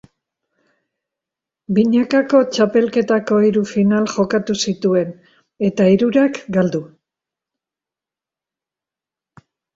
Binakako txapelketako hiru final jokatu zituen, eta hirurak galdu.